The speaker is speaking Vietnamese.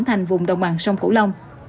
trong cổ lông